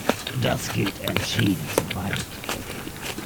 Das geht entschieden zu weit!